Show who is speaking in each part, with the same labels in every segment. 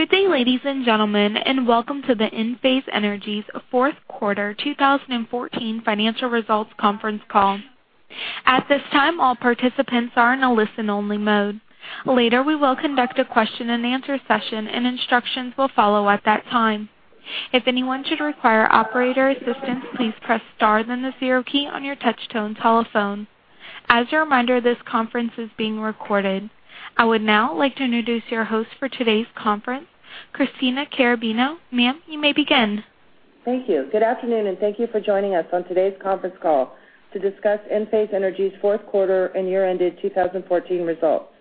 Speaker 1: Good day, ladies and gentlemen, and welcome to the Enphase Energy's fourth quarter 2014 financial results conference call. At this time, all participants are in a listen-only mode. Later, we will conduct a question and answer session, and instructions will follow at that time. If anyone should require operator assistance, please press star then the zero key on your touchtone telephone. As a reminder, this conference is being recorded. I would now like to introduce your host for today's conference, Christina Carabino. Ma'am, you may begin.
Speaker 2: Thank you. Good afternoon, and thank you for joining us on today's conference call to discuss Enphase Energy's fourth quarter and year-ended 2014 results.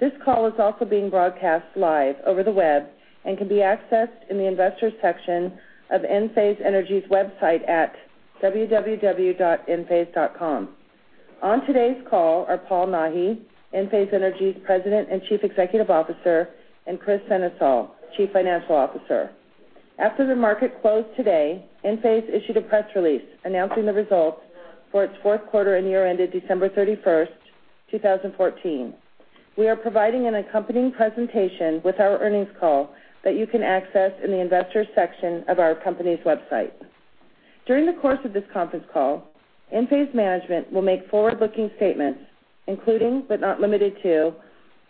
Speaker 2: This call is also being broadcast live over the web and can be accessed in the investors section of Enphase Energy's website at www.enphase.com. On today's call are Paul Nahi, Enphase Energy's President and Chief Executive Officer, and Kris Sennesael, Chief Financial Officer. After the market closed today, Enphase issued a press release announcing the results for its fourth quarter and year ended December 31st, 2014. We are providing an accompanying presentation with our earnings call that you can access in the investors section of our company's website. During the course of this conference call, Enphase management will make forward-looking statements, including, but not limited to,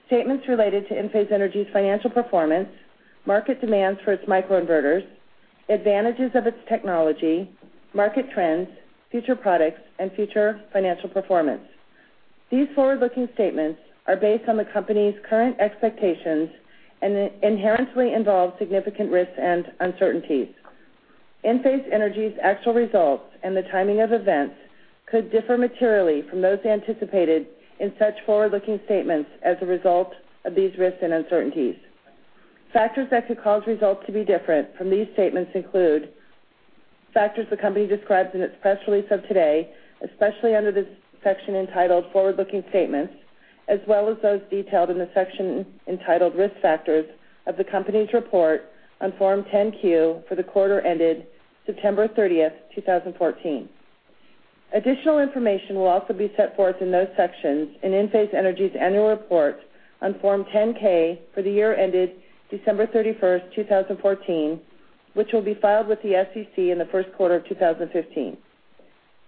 Speaker 2: statements related to Enphase Energy's financial performance, market demands for its microinverters, advantages of its technology, market trends, future products, and future financial performance. These forward-looking statements are based on the company's current expectations and inherently involve significant risks and uncertainties. Enphase Energy's actual results and the timing of events could differ materially from those anticipated in such forward-looking statements as a result of these risks and uncertainties. Factors that could cause results to be different from these statements include factors the company describes in its press release of today, especially under the section entitled Forward-Looking Statements, as well as those detailed in the section entitled Risk Factors of the company's report on Form 10-Q for the quarter ended September 30th, 2014. Additional information will also be set forth in those sections in Enphase Energy's annual report on Form 10-K for the year ended December 31st, 2014, which will be filed with the SEC in the first quarter of 2015.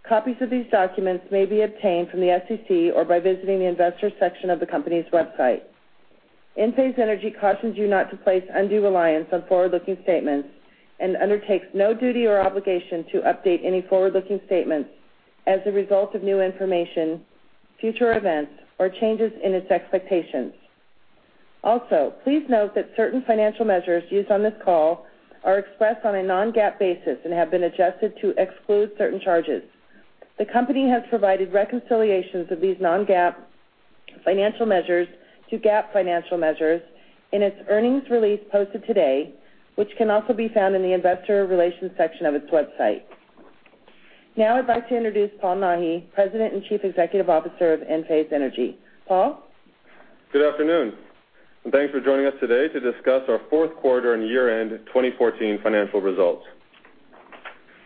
Speaker 2: Copies of these documents may be obtained from the SEC or by visiting the investors section of the company's website. Enphase Energy cautions you not to place undue reliance on forward-looking statements and undertakes no duty or obligation to update any forward-looking statements as a result of new information, future events, or changes in its expectations. Please note that certain financial measures used on this call are expressed on a non-GAAP basis and have been adjusted to exclude certain charges. The company has provided reconciliations of these non-GAAP financial measures to GAAP financial measures in its earnings release posted today, which can also be found in the investor relations section of its website. Now I'd like to introduce Paul Nahi, President and Chief Executive Officer of Enphase Energy. Paul?
Speaker 3: Good afternoon, and thanks for joining us today to discuss our fourth quarter and year-end 2014 financial results.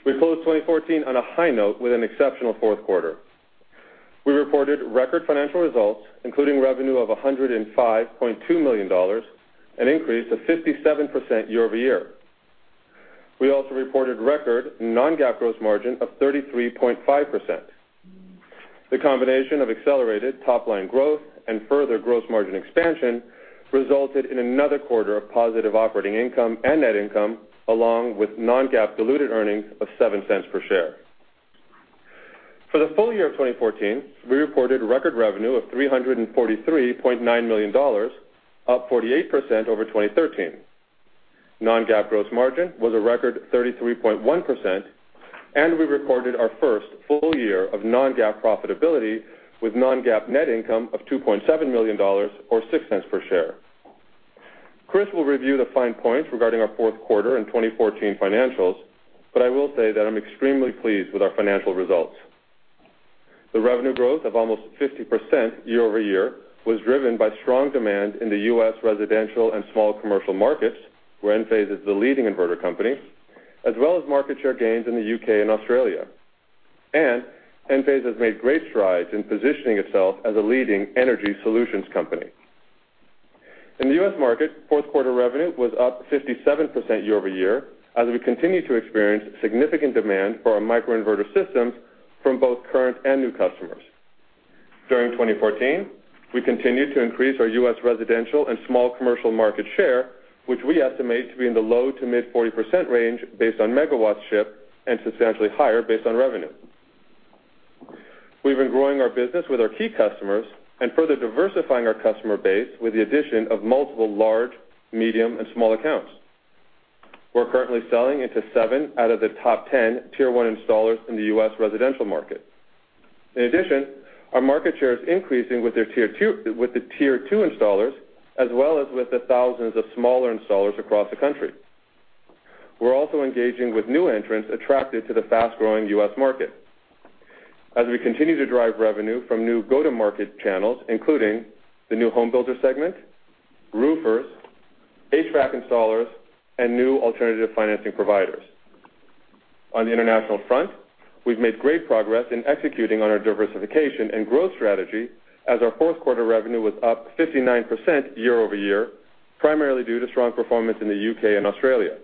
Speaker 3: We closed 2014 on a high note with an exceptional fourth quarter. We reported record financial results, including revenue of $105.2 million, an increase of 57% year-over-year. We also reported record non-GAAP gross margin of 33.5%. The combination of accelerated top-line growth and further gross margin expansion resulted in another quarter of positive operating income and net income, along with non-GAAP diluted earnings of $0.07 per share. For the full year of 2014, we reported record revenue of $343.9 million, up 48% over 2013. Non-GAAP gross margin was a record 33.1%, and we recorded our first full year of non-GAAP profitability with non-GAAP net income of $2.7 million or $0.06 per share. Kris will review the fine points regarding our fourth quarter and 2014 financials, but I will say that I'm extremely pleased with our financial results. The revenue growth of almost 50% year-over-year was driven by strong demand in the U.S. residential and small commercial markets, where Enphase is the leading inverter company, as well as market share gains in the U.K. and Australia. Enphase has made great strides in positioning itself as a leading energy solutions company. In the U.S. market, fourth quarter revenue was up 57% year-over-year, as we continue to experience significant demand for our microinverter systems from both current and new customers. During 2014, we continued to increase our U.S. residential and small commercial market share, which we estimate to be in the low to mid-40% range based on megawatts ship and substantially higher based on revenue. We've been growing our business with our key customers and further diversifying our customer base with the addition of multiple large, medium, and small accounts. We're currently selling into 7 out of the top 10 tier 1 installers in the U.S. residential market. In addition, our market share is increasing with the tier 2 installers, as well as with the thousands of smaller installers across the country. We're also engaging with new entrants attracted to the fast-growing U.S. market. As we continue to drive revenue from new go-to-market channels, including the new home builder segment, roofers, HVAC installers, and new alternative financing providers. On the international front, we've made great progress in executing on our diversification and growth strategy as our fourth quarter revenue was up 59% year-over-year, primarily due to strong performance in the U.K. and Australia.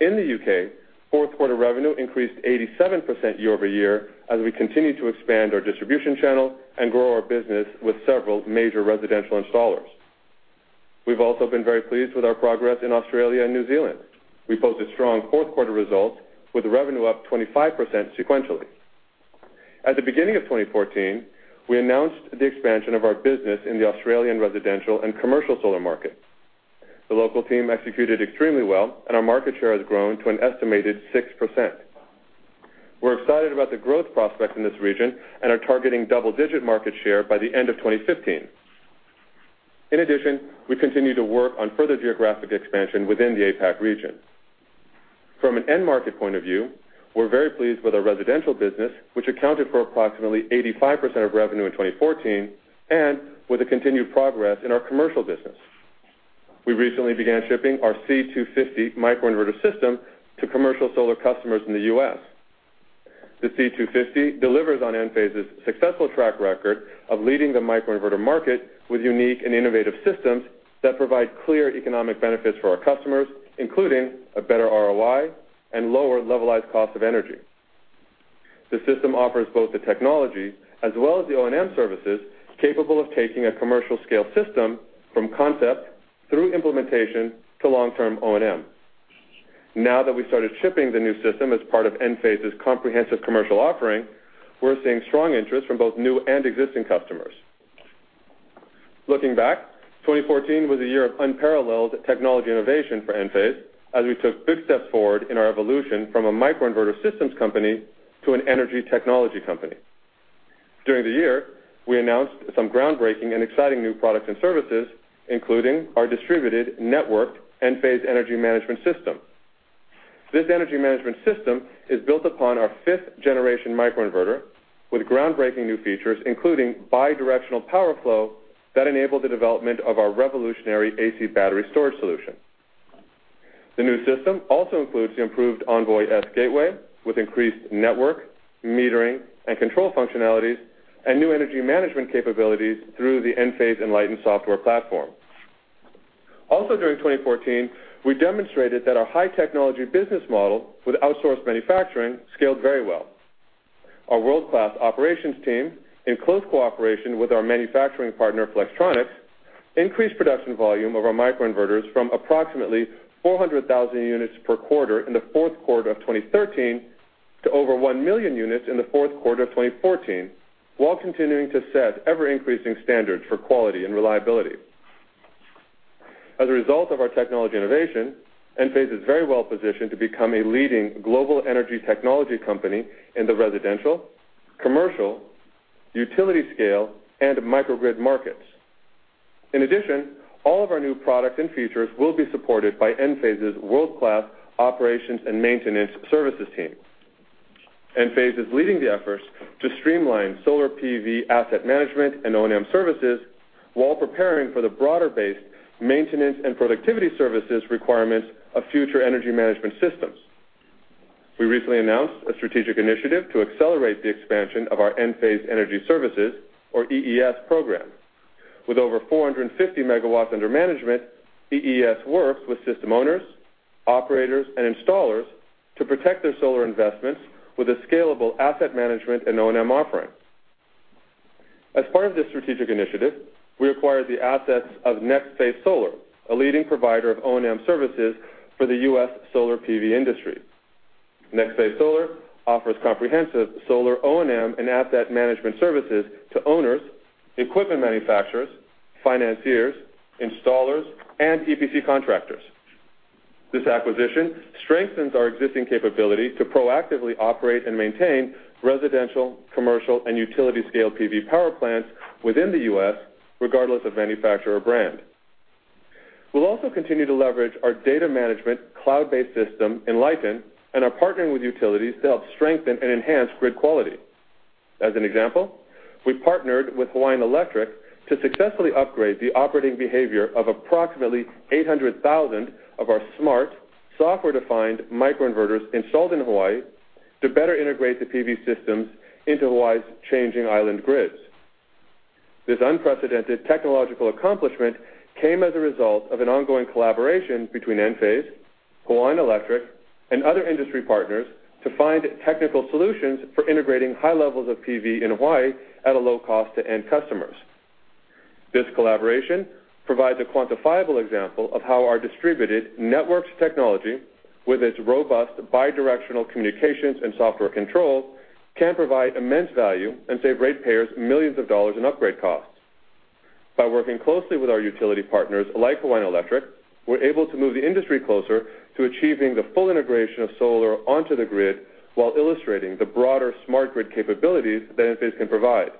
Speaker 3: In the U.K., fourth quarter revenue increased 87% year-over-year as we continue to expand our distribution channel and grow our business with several major residential installers. We've also been very pleased with our progress in Australia and New Zealand. We posted strong fourth quarter results, with revenue up 25% sequentially. At the beginning of 2014, we announced the expansion of our business in the Australian residential and commercial solar market. The local team executed extremely well, and our market share has grown to an estimated 6%. We're excited about the growth prospects in this region and are targeting double-digit market share by the end of 2015. In addition, we continue to work on further geographic expansion within the APAC region. From an end market point of view, we're very pleased with our residential business, which accounted for approximately 85% of revenue in 2014, and with the continued progress in our commercial business. We recently began shipping our C250 microinverter system to commercial solar customers in the U.S. The C250 delivers on Enphase's successful track record of leading the microinverter market with unique and innovative systems that provide clear economic benefits for our customers, including a better ROI and lower levelized cost of energy. The system offers both the technology as well as the O&M services capable of taking a commercial scale system from concept through implementation to long-term O&M. Now that we've started shipping the new system as part of Enphase's comprehensive commercial offering, we're seeing strong interest from both new and existing customers. Looking back, 2014 was a year of unparalleled technology innovation for Enphase as we took big steps forward in our evolution from a microinverter systems company to an energy technology company. During the year, we announced some groundbreaking and exciting new products and services, including our distributed network Enphase Energy Management System. This energy management system is built upon our fifth generation microinverter with groundbreaking new features, including bidirectional power flow that enabled the development of our revolutionary AC Battery storage solution. The new system also includes the improved Envoy-S Gateway with increased network, metering, and control functionalities and new energy management capabilities through the Enphase Enlighten software platform. Also during 2014, we demonstrated that our high-technology business model with outsourced manufacturing scaled very well. Our world-class operations team, in close cooperation with our manufacturing partner, Flextronics, increased production volume of our microinverters from approximately 400,000 units per quarter in the fourth quarter of 2013 to over 1 million units in the fourth quarter of 2014, while continuing to set ever-increasing standards for quality and reliability. As a result of our technology innovation, Enphase is very well-positioned to become a leading global energy technology company in the residential, commercial, utility scale, and microgrid markets. In addition, all of our new products and features will be supported by Enphase's world-class operations and maintenance services team. Enphase is leading the efforts to streamline solar PV asset management and O&M services while preparing for the broader-based maintenance and productivity services requirements of future energy management systems. We recently announced a strategic initiative to accelerate the expansion of our Enphase Energy Services, or EES program. With over 450 megawatts under management, EES works with system owners, operators, and installers to protect their solar investments with a scalable asset management and O&M offering. As part of this strategic initiative, we acquired the assets of Next Phase Solar, a leading provider of O&M services for the U.S. solar PV industry. Next Phase Solar offers comprehensive solar O&M and asset management services to owners, equipment manufacturers, financiers, installers, and EPC contractors. This acquisition strengthens our existing capability to proactively operate and maintain residential, commercial, and utility-scale PV power plants within the U.S., regardless of manufacturer or brand. We'll also continue to leverage our data management cloud-based system, Enlighten, and are partnering with utilities to help strengthen and enhance grid quality. As an example, we partnered with Hawaiian Electric to successfully upgrade the operating behavior of approximately 800,000 of our smart, software-defined microinverters installed in Hawaii to better integrate the PV systems into Hawaii's changing island grids. This unprecedented technological accomplishment came as a result of an ongoing collaboration between Enphase, Hawaiian Electric, and other industry partners to find technical solutions for integrating high levels of PV in Hawaii at a low cost to end customers. This collaboration provides a quantifiable example of how our distributed networks technology, with its robust bidirectional communications and software control, can provide immense value and save ratepayers millions of dollars in upgrade costs. By working closely with our utility partners like Hawaiian Electric, we're able to move the industry closer to achieving the full integration of solar onto the grid while illustrating the broader smart grid capabilities that Enphase can provide.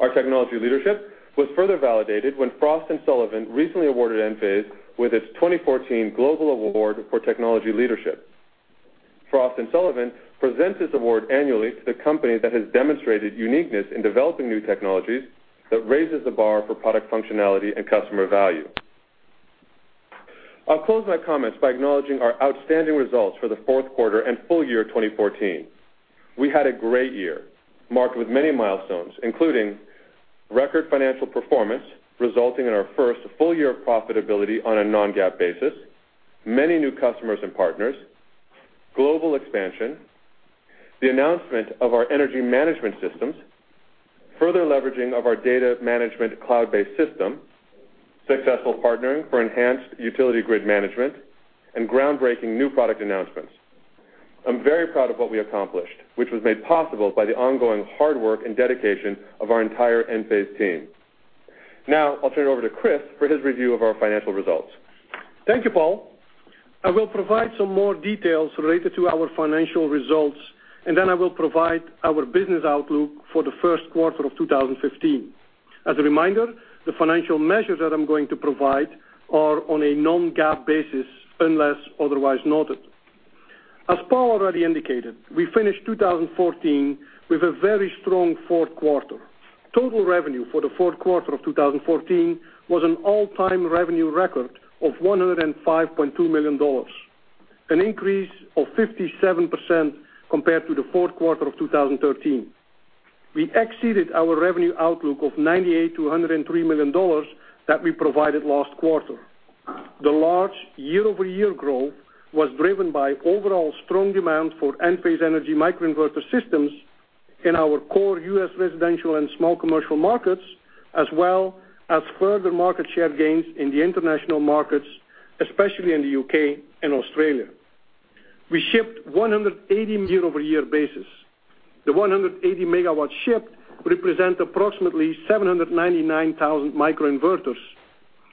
Speaker 3: Our technology leadership was further validated when Frost & Sullivan recently awarded Enphase with its 2014 Global Award for Technology Leadership. Frost & Sullivan presents this award annually to the company that has demonstrated uniqueness in developing new technologies that raises the bar for product functionality and customer value. I'll close my comments by acknowledging our outstanding results for the fourth quarter and full year 2014. We had a great year, marked with many milestones, including record financial performance, resulting in our first full year of profitability on a non-GAAP basis, many new customers and partners, global expansion, the announcement of our energy management systems, further leveraging of our data management cloud-based system, successful partnering for enhanced utility grid management, and groundbreaking new product announcements. I'm very proud of what we accomplished, which was made possible by the ongoing hard work and dedication of our entire Enphase team. I'll turn it over to Kris for his review of our financial results.
Speaker 4: Thank you, Paul. I will provide some more details related to our financial results, and then I will provide our business outlook for the first quarter of 2015. As a reminder, the financial measures that I'm going to provide are on a non-GAAP basis, unless otherwise noted. As Paul already indicated, we finished 2014 with a very strong fourth quarter. Total revenue for the fourth quarter of 2014 was an all-time revenue record of $105.2 million, an increase of 57% compared to the fourth quarter of 2013. We exceeded our revenue outlook of $98 million-$103 million that we provided last quarter. The large year-over-year growth was driven by overall strong demand for Enphase Energy microinverter systems in our core U.S. residential and small commercial markets, as well as further market share gains in the international markets, especially in the U.K. and Australia. We shipped 180 megawatts in the Q4 of 2014, an increase of 40% on a year-over-year basis. The 180 MW shipped represent approximately 799,000 microinverters,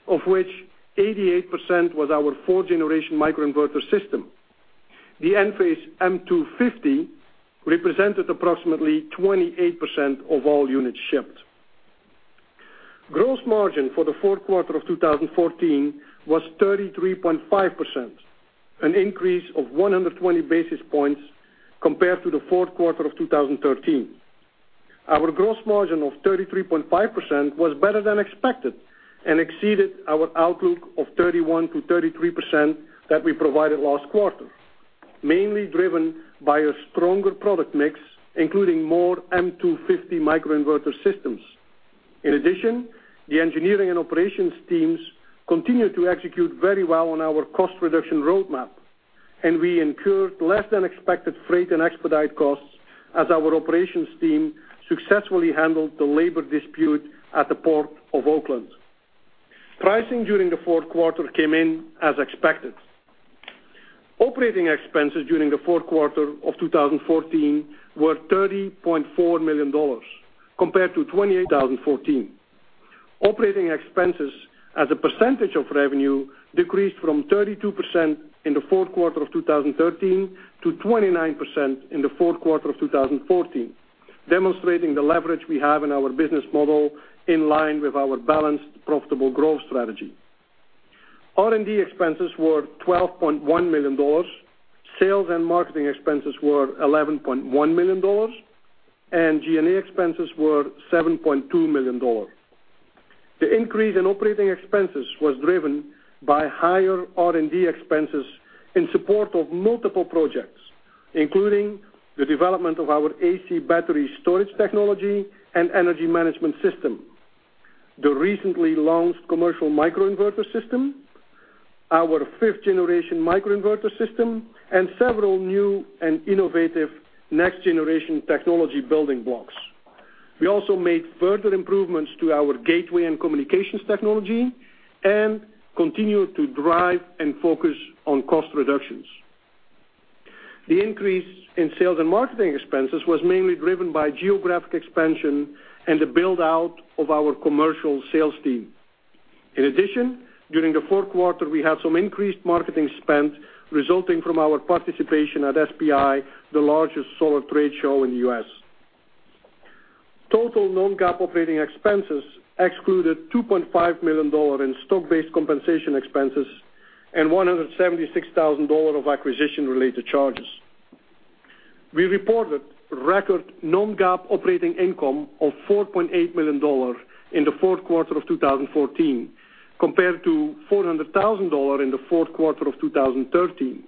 Speaker 4: of which 88% was our fourth-generation microinverter system. The Enphase M250 represented approximately 28% of all units shipped. Gross margin for the fourth quarter of 2014 was 33.5%, an increase of 120 basis points compared to the fourth quarter of 2013. Our gross margin of 33.5% was better than expected and exceeded our outlook of 31%-33% that we provided last quarter, mainly driven by a stronger product mix, including more M250 microinverter systems. In addition, the engineering and operations teams continued to execute very well on our cost reduction roadmap, and we incurred less than expected freight and expedite costs as our operations team successfully handled the labor dispute at the Port of Oakland. Pricing during the fourth quarter came in as expected. Operating expenses during the fourth quarter of 2014 were $30.4 million compared to $26.9 million in the Q3 of 2014. Operating expenses as a percentage of revenue decreased from 32% in the fourth quarter of 2013 to 29% in the fourth quarter of 2014, demonstrating the leverage we have in our business model in line with our balanced, profitable growth strategy. R&D expenses were $12.1 million, sales and marketing expenses were $11.1 million, and G&A expenses were $7.2 million. The increase in operating expenses was driven by higher R&D expenses in support of multiple projects, including the development of our AC Battery storage technology and Enphase Energy Management System, the recently launched commercial microinverter system, our fifth-generation microinverter system, and several new and innovative next-generation technology building blocks. We also made further improvements to our gateway and communications technology and continued to drive and focus on cost reductions. The increase in sales and marketing expenses was mainly driven by geographic expansion and the build-out of our commercial sales team. In addition, during the fourth quarter, we had some increased marketing spend resulting from our participation at SPI, the largest solar trade show in the U.S. Total non-GAAP operating expenses excluded $2.5 million in stock-based compensation expenses and $176,000 of acquisition-related charges. We reported record non-GAAP operating income of $4.8 million in the fourth quarter of 2014, compared to $400,000 in the fourth quarter of 2013.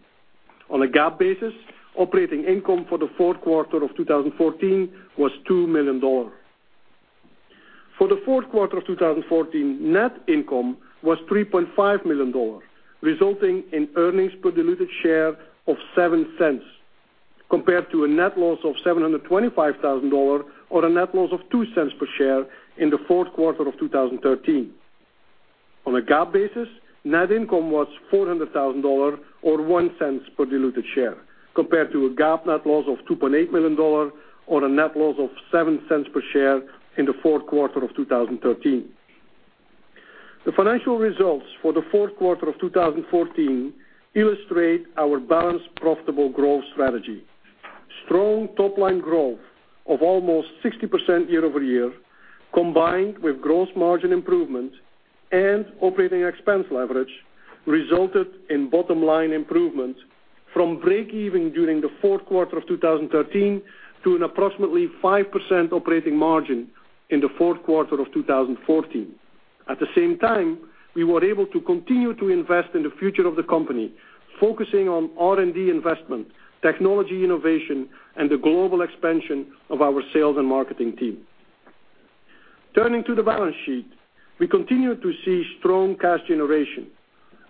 Speaker 4: On a GAAP basis, operating income for the fourth quarter of 2014 was $2 million. For the fourth quarter of 2014, net income was $3.5 million, resulting in earnings per diluted share of $0.07, compared to a net loss of $725,000 or a net loss of $0.02 per share in the fourth quarter of 2013. On a GAAP basis, net income was $400,000 or $0.01 per diluted share, compared to a GAAP net loss of $2.8 million or a net loss of $0.07 per share in the fourth quarter of 2013. The financial results for the fourth quarter of 2014 illustrate our balanced, profitable growth strategy. Strong top-line growth of almost 60% year over year, combined with gross margin improvement and operating expense leverage, resulted in bottom-line improvement from breakeven during the fourth quarter of 2013 to an approximately 5% operating margin in the fourth quarter of 2014. At the same time, we were able to continue to invest in the future of the company, focusing on R&D investment, technology innovation, and the global expansion of our sales and marketing team. Turning to the balance sheet, we continue to see strong cash generation.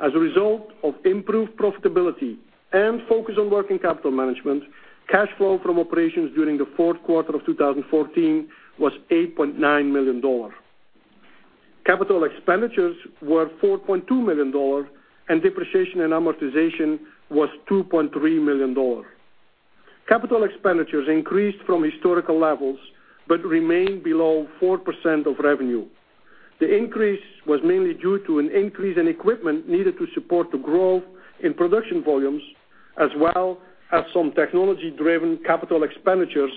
Speaker 4: As a result of improved profitability and focus on working capital management, cash flow from operations during the fourth quarter of 2014 was $8.9 million. Capital expenditures were $4.2 million, and depreciation and amortization was $2.3 million. Capital expenditures increased from historical levels, but remain below 4% of revenue. The increase was mainly due to an increase in equipment needed to support the growth in production volumes, as well as some technology-driven capital expenditures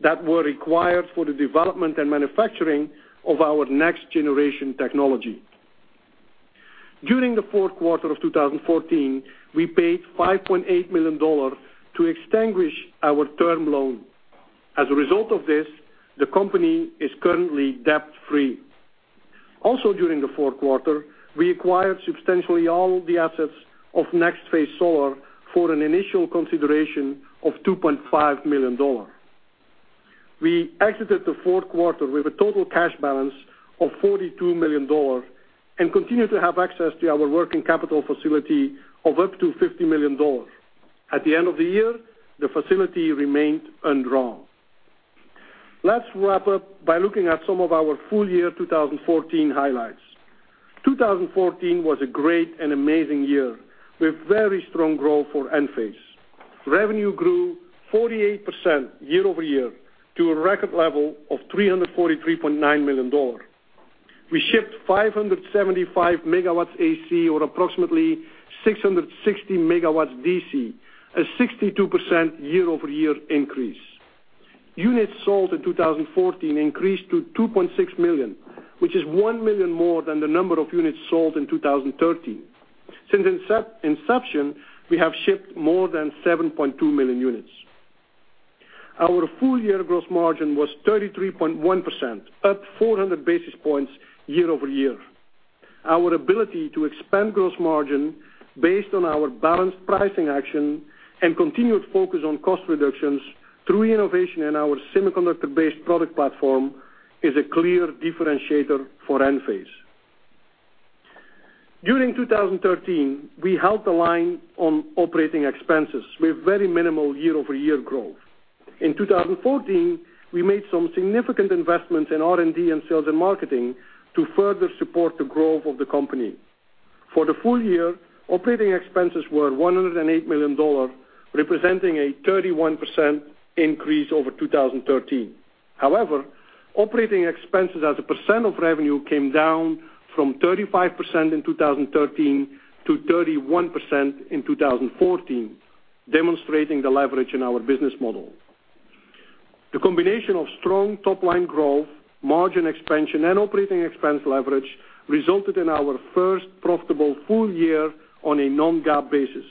Speaker 4: that were required for the development and manufacturing of our next-generation technology. During the fourth quarter of 2014, we paid $5.8 million to extinguish our term loan. As a result of this, the company is currently debt-free. Also during the fourth quarter, we acquired substantially all the assets of Next Phase Solar for an initial consideration of $2.5 million. We exited the fourth quarter with a total cash balance of $42 million and continue to have access to our working capital facility of up to $50 million. At the end of the year, the facility remained undrawn. Let's wrap up by looking at some of our full year 2014 highlights. 2014 was a great and amazing year, with very strong growth for Enphase. Revenue grew 48% year over year to a record level of $343.9 million. We shipped 575 megawatts AC, or approximately 660 megawatts DC, a 62% year over year increase. Units sold in 2014 increased to 2.6 million, which is 1 million more than the number of units sold in 2013. Since inception, we have shipped more than 7.2 million units. Our full year gross margin was 33.1%, up 400 basis points year over year. Our ability to expand gross margin, based on our balanced pricing action and continued focus on cost reductions through innovation in our semiconductor-based product platform, is a clear differentiator for Enphase. During 2013, we held the line on operating expenses with very minimal year over year growth. In 2014, we made some significant investments in R&D and sales and marketing to further support the growth of the company. For the full year, operating expenses were $108 million, representing a 31% increase over 2013. Operating expenses as a percent of revenue came down from 35% in 2013 to 31% in 2014, demonstrating the leverage in our business model. The combination of strong top-line growth, margin expansion, and operating expense leverage resulted in our first profitable full year on a non-GAAP basis.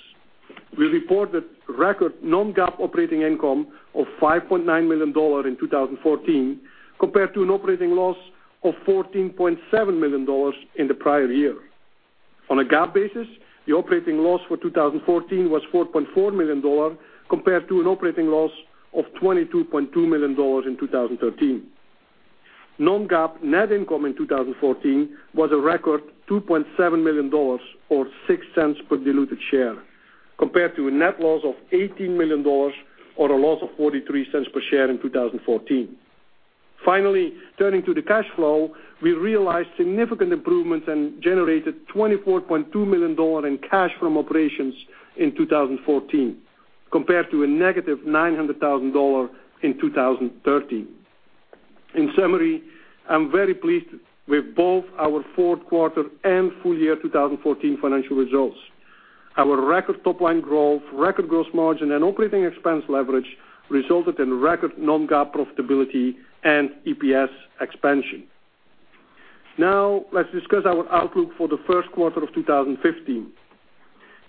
Speaker 4: We reported record non-GAAP operating income of $5.9 million in 2014, compared to an operating loss of $14.7 million in the prior year. On a GAAP basis, the operating loss for 2014 was $4.4 million, compared to an operating loss of $22.2 million in 2013. non-GAAP net income in 2014 was a record $2.7 million or $0.06 per diluted share, compared to a net loss of $18 million or a loss of $0.43 per share in 2014. Turning to the cash flow, we realized significant improvements and generated $24.2 million in cash from operations in 2014, compared to a negative $900,000 in 2013. In summary, I'm very pleased with both our fourth quarter and full year 2014 financial results. Our record top-line growth, record gross margin, and operating expense leverage resulted in record non-GAAP profitability and EPS expansion. Let's discuss our outlook for the first quarter of 2015.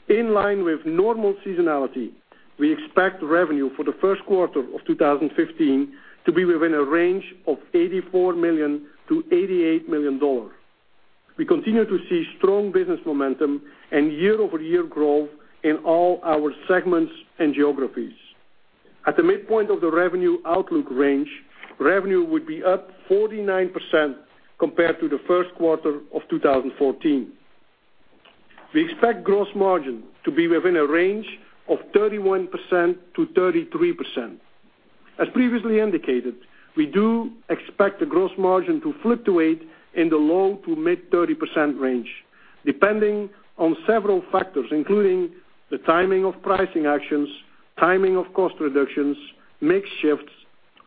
Speaker 4: In line with normal seasonality, we expect revenue for the first quarter of 2015 to be within a range of $84 million-$88 million. We continue to see strong business momentum and year-over-year growth in all our segments and geographies. At the midpoint of the revenue outlook range, revenue would be up 49% compared to the first quarter of 2014. We expect gross margin to be within a range of 31%-33%. As previously indicated, we do expect the gross margin to fluctuate in the low to mid 30% range, depending on several factors, including the timing of pricing actions, timing of cost reductions, mix shifts,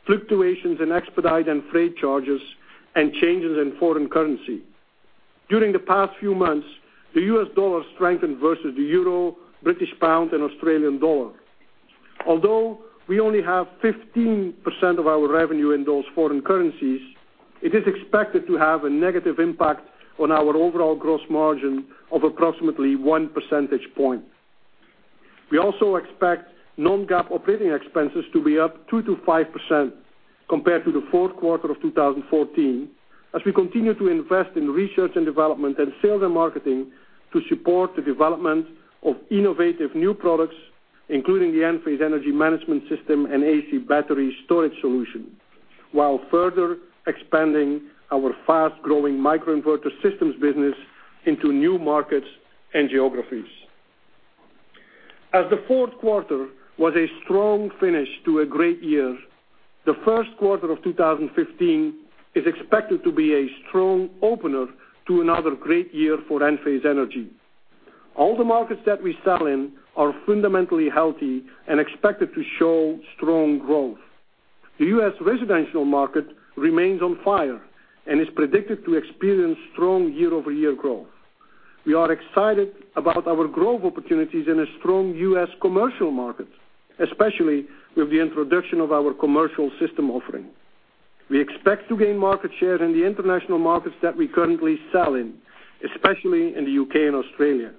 Speaker 4: fluctuations in expedite and freight charges, and changes in foreign currency. During the past few months, the U.S. dollar strengthened versus the euro, British pound, and Australian dollar. Although we only have 15% of our revenue in those foreign currencies, it is expected to have a negative impact on our overall gross margin of approximately one percentage point. We also expect non-GAAP operating expenses to be up 2%-5% compared to the fourth quarter of 2014, as we continue to invest in research and development and sales and marketing to support the development of innovative new products, including the Enphase Energy Management System and AC Battery Storage Solution, while further expanding our fast-growing microinverter systems business into new markets and geographies. As the fourth quarter was a strong finish to a great year, the first quarter of 2015 is expected to be a strong opener to another great year for Enphase Energy. All the markets that we sell in are fundamentally healthy and expected to show strong growth. The U.S. residential market remains on fire and is predicted to experience strong year-over-year growth. We are excited about our growth opportunities in a strong U.S. commercial market, especially with the introduction of our commercial system offering. We expect to gain market share in the international markets that we currently sell in, especially in the U.K. and Australia.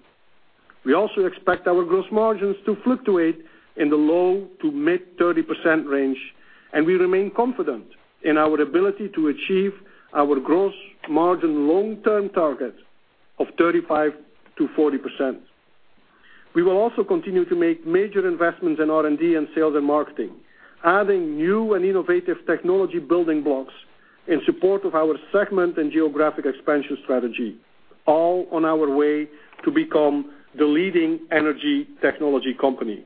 Speaker 4: We also expect our gross margins to fluctuate in the low to mid 30% range, and we remain confident in our ability to achieve our gross margin long-term target of 35%-40%. We will also continue to make major investments in R&D and sales and marketing, adding new and innovative technology building blocks in support of our segment and geographic expansion strategy, all on our way to become the leading energy technology company.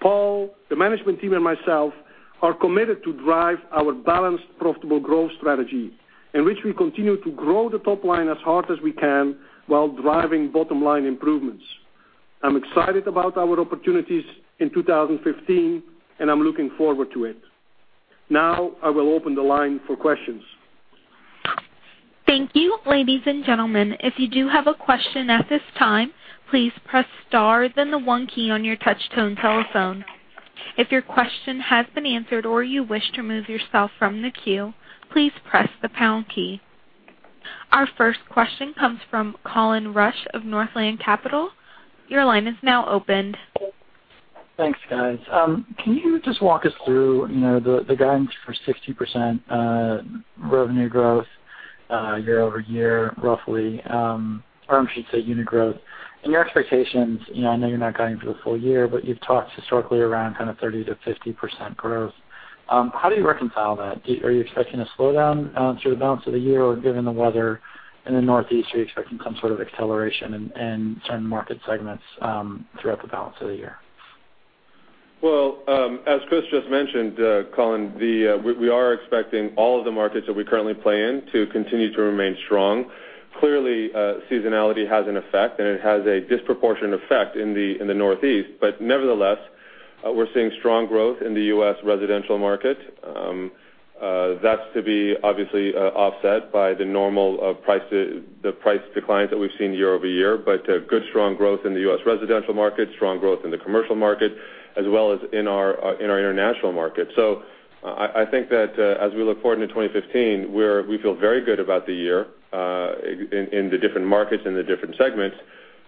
Speaker 4: Paul, the management team, and myself are committed to drive our balanced, profitable growth strategy, in which we continue to grow the top line as hard as we can while driving bottom-line improvements. I'm excited about our opportunities in 2015, and I'm looking forward to it. I will open the line for questions.
Speaker 1: Thank you. Ladies and gentlemen, if you do have a question at this time, please press star, then the 1 key on your touch tone telephone. If your question has been answered or you wish to remove yourself from the queue, please press the pound key. Our first question comes from Colin Rusch of Northland Capital Markets. Your line is now opened.
Speaker 5: Thanks, guys. Can you just walk us through the guidance for 60% revenue growth year-over-year, roughly, or I should say unit growth, and your expectations. I know you're not guiding for the full year, but you've talked historically around 30%-50% growth. How do you reconcile that? Are you expecting a slowdown through the balance of the year, or given the weather in the Northeast, are you expecting some sort of acceleration in certain market segments throughout the balance of the year?
Speaker 3: Well, as Kris just mentioned, Colin, we are expecting all of the markets that we currently play in to continue to remain strong. Clearly, seasonality has an effect, and it has a disproportionate effect in the Northeast. Nevertheless, we're seeing strong growth in the U.S. residential market. That's to be obviously offset by the normal price declines that we've seen year-over-year, but good, strong growth in the U.S. residential market, strong growth in the commercial market, as well as in our international market. I think that as we look forward into 2015, we feel very good about the year in the different markets and the different segments,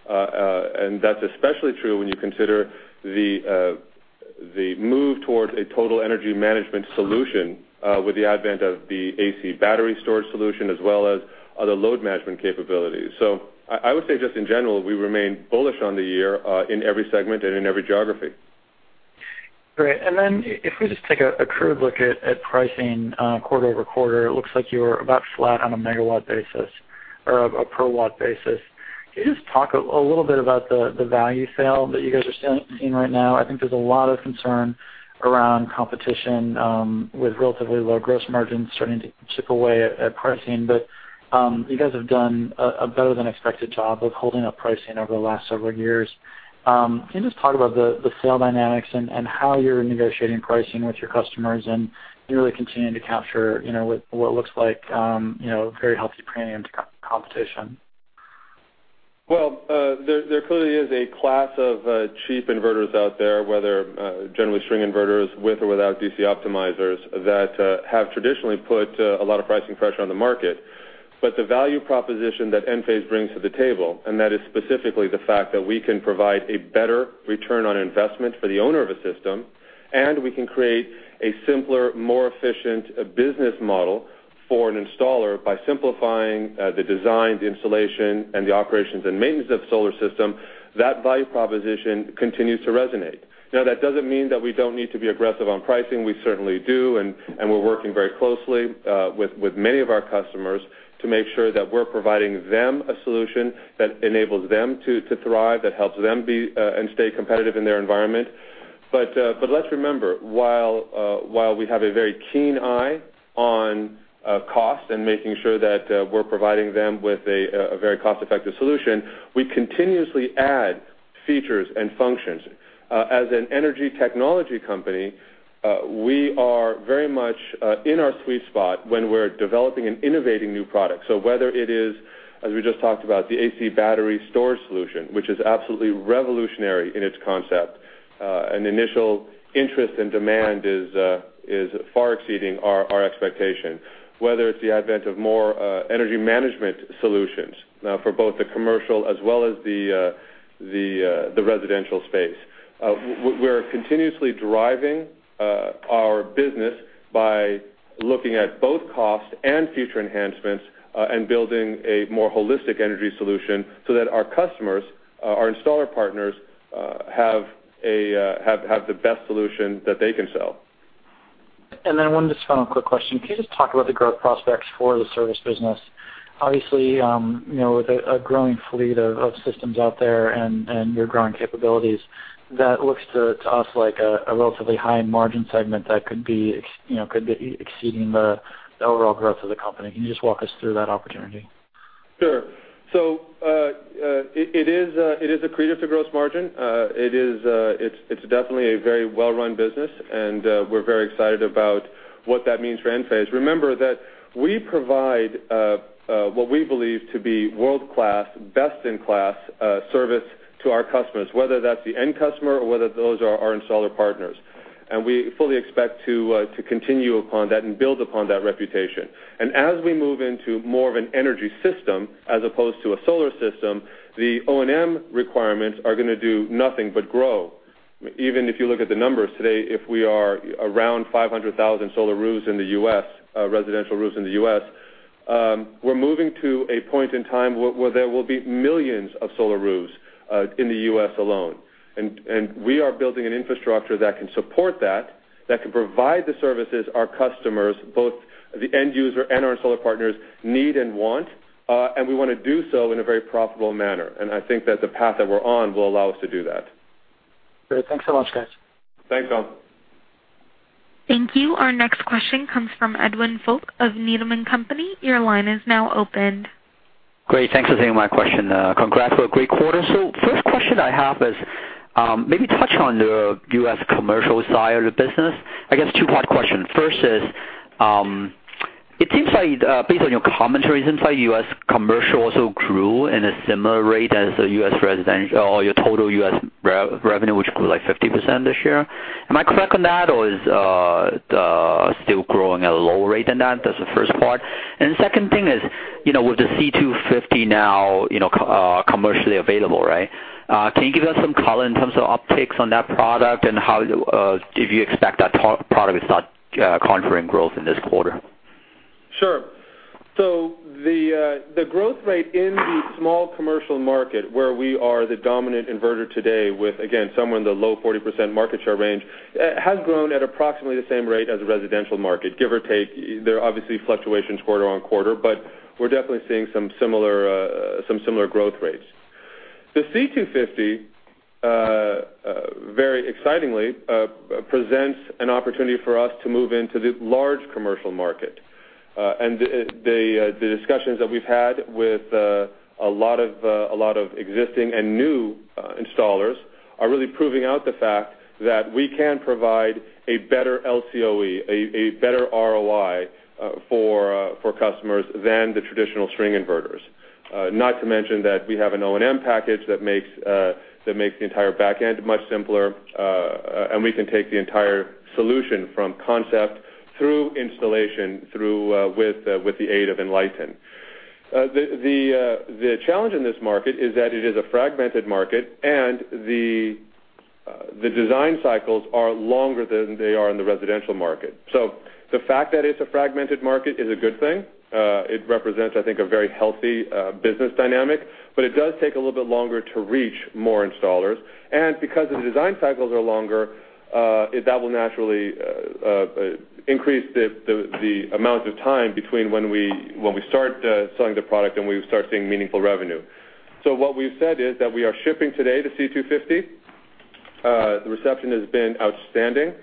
Speaker 3: and that's especially true when you consider the move towards a total energy management solution with the advent of the AC Battery storage solution, as well as other load management capabilities. I would say just in general, we remain bullish on the year in every segment and in every geography.
Speaker 5: Great. Then if we just take a crude look at pricing quarter-over-quarter, it looks like you were about flat on a megawatt basis or a per watt basis. Can you just talk a little bit about the value sale that you guys are seeing right now? I think there's a lot of concern around competition with relatively low gross margins starting to chip away at pricing. You guys have done a better-than-expected job of holding up pricing over the last several years. Can you just talk about the sale dynamics and how you're negotiating pricing with your customers and really continuing to capture what looks like very healthy premium to competition?
Speaker 3: There clearly is a class of cheap inverters out there, whether generally string inverters with or without DC optimizers, that have traditionally put a lot of pricing pressure on the market. The value proposition that Enphase brings to the table, and that is specifically the fact that we can provide a better return on investment for the owner of a system, and we can create a simpler, more efficient business model for an installer by simplifying the design, the installation, and the operations and maintenance of the solar system. That value proposition continues to resonate. That doesn't mean that we don't need to be aggressive on pricing. We certainly do, and we're working very closely with many of our customers to make sure that we're providing them a solution that enables them to thrive, that helps them be and stay competitive in their environment. Let's remember, while we have a very keen eye on cost and making sure that we're providing them with a very cost-effective solution, we continuously add features and functions. As an energy technology company, we are very much in our sweet spot when we're developing and innovating new products. Whether it is, as we just talked about, the AC Battery storage solution, which is absolutely revolutionary in its concept. Initial interest and demand is far exceeding our expectation. Whether it's the advent of more energy management solutions for both the commercial as well as the residential space. We're continuously driving our business by looking at both cost and future enhancements, and building a more holistic energy solution so that our customers, our installer partners, have the best solution that they can sell.
Speaker 5: One just final quick question. Can you just talk about the growth prospects for the service business? Obviously, with a growing fleet of systems out there and your growing capabilities, that looks to us like a relatively high-margin segment that could be exceeding the overall growth of the company. Can you just walk us through that opportunity?
Speaker 3: Sure. It is accretive to gross margin. It's definitely a very well-run business, and we're very excited about what that means for Enphase. Remember that we provide what we believe to be world-class, best-in-class service to our customers, whether that's the end customer or whether those are our installer partners. We fully expect to continue upon that and build upon that reputation. As we move into more of an energy system as opposed to a solar system, the O&M requirements are going to do nothing but grow. Even if you look at the numbers today, if we are around 500,000 solar roofs in the U.S., residential roofs in the U.S., we're moving to a point in time where there will be millions of solar roofs in the U.S. alone. We are building an infrastructure that can support that can provide the services our customers, both the end user and our solar partners, need and want, and we want to do so in a very profitable manner. I think that the path that we're on will allow us to do that.
Speaker 5: Great. Thanks so much, guys.
Speaker 3: Thanks, Colin.
Speaker 1: Thank you. Our next question comes from Edwin Mok of Needham & Company. Your line is now open.
Speaker 6: Great. Thanks for taking my question. Congrats for a great quarter. First question I have is, maybe touch on the U.S. commercial side of the business. I guess two-part question. First is, it seems like based on your commentary since U.S. commercial also grew in a similar rate as the U.S. residential or your total U.S. revenue, which grew like 50% this year. Am I correct on that, or is still growing at a lower rate than that? That's the first part. The second thing is, with the C250 now commercially available. Can you give us some color in terms of upticks on that product and if you expect that product to start conjuring growth in this quarter?
Speaker 3: Sure. The growth rate in the small commercial market, where we are the dominant inverter today with, again, somewhere in the low 40% market share range, has grown at approximately the same rate as the residential market, give or take. There are obviously fluctuations quarter-on-quarter, but we're definitely seeing some similar growth rates. The C250, very excitingly, presents an opportunity for us to move into the large commercial market. The discussions that we've had with a lot of existing and new installers are really proving out the fact that we can provide a better LCOE, a better ROI for customers than the traditional string inverters. Not to mention that we have an O&M package that makes the entire back end much simpler. We can take the entire solution from concept through installation, with the aid of Enlighten. The challenge in this market is that it is a fragmented market, and the design cycles are longer than they are in the residential market. The fact that it's a fragmented market is a good thing. It represents, I think, a very healthy business dynamic, but it does take a little bit longer to reach more installers. Because the design cycles are longer, that will naturally increase the amount of time between when we start selling the product and we start seeing meaningful revenue. What we've said is that we are shipping today the C250. The reception has been outstanding.